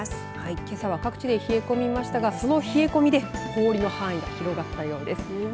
けさは各地で冷え込みましたがその冷え込みで氷の範囲が広まったようです。